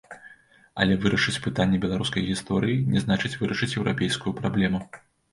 Але вырашыць пытанне беларускай гісторыі, не значыць вырашыць еўрапейскую праблему.